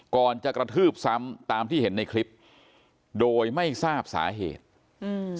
ก่อนจะกระทืบซ้ำตามที่เห็นในคลิปโดยไม่ทราบสาเหตุอืม